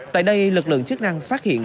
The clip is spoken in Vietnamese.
tại đây lực lượng chức năng phát hiện